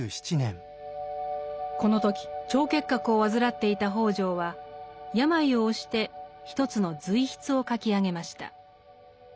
この時腸結核を患っていた北條は病を押して一つの随筆を書き上げました。